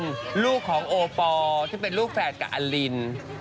นี่คือของโอปอลที่เป็นลูกแฟนกับอลิน